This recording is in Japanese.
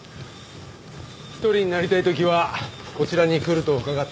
一人になりたい時はこちらに来ると伺って。